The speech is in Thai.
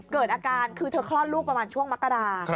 เกิดอาการคือเธอคลอดลูกประมาณช่วงมกรา